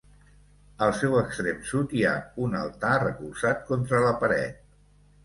Al seu extrem sud hi ha un altar recolzat contra la paret.